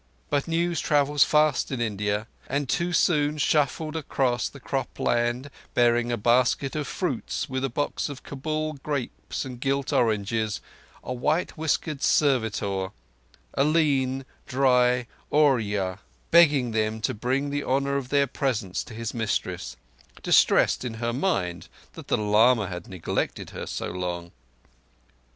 But news travels fast in India, and too soon shuffled across the crop land, bearing a basket of fruits with a box of Kabul grapes and gilt oranges, a white whiskered servitor—a lean, dry Oorya—begging them to bring the honour of their presence to his mistress, distressed in her mind that the lama had neglected her so long.